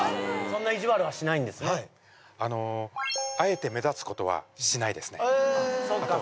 そんな意地悪はしないんですねはいあえて目立つことはしないですねえっそっか